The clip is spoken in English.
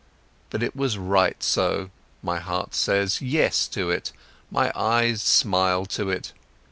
But it was right so, my heart says "Yes" to it, my eyes smile to it.